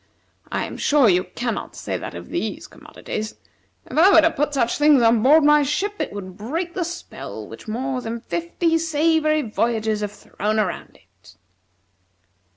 I am sure you cannot say that of these commodities. If I were to put such things on board my ship, it would break the spell which more than fifty savory voyages have thrown around it."